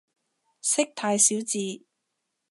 識太少字